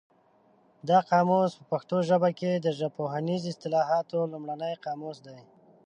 دا قاموس په پښتو ژبه کې د ژبپوهنیزو اصطلاحاتو لومړنی قاموس دی.